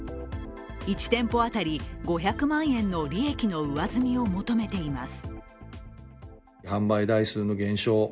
１店舗当たり５００万円の利益の上積みを求めています。